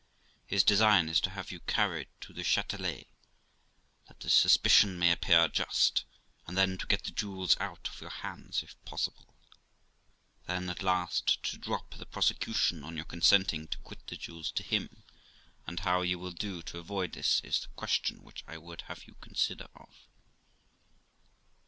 His design is to have you carried to the Chatelet, that the suspicion may appear just, and then to get the jewels out of your hands if possible; then, at last, to drop the prosecution on your consenting to quit the jewels to him ; and how you will do to avoid this is the question which I would have you consider of.'